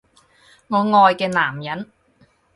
我愛嘅男人